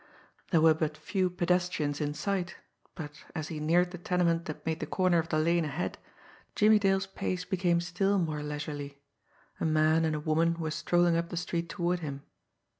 There were but few pedestrians in sight; but, as he neared the tenement that made the corner of the lane ahead, Jimmie Dale's pace became still more leisurely. A man and a woman were strolling up the street toward him.